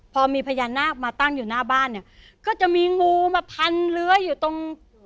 พอมีพญานาคมาตั้งอยู่หน้าบ้านเนี่ยก็จะมีงูมาพันเลื้ออยู่ตรง